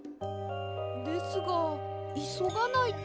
ですがいそがないと。